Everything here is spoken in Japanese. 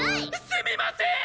すみませーん！！